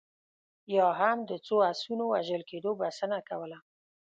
یا هم د څو اسونو وژل کېدو بسنه کوله.